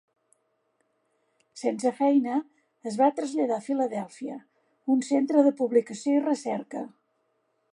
Sense feina, es va traslladar a Filadèlfia, un centre de publicació i recerca.